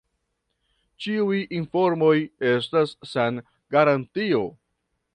Ĉiuj informoj estas sen garantio.